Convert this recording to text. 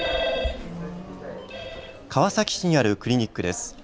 川崎市にあるクリニックです。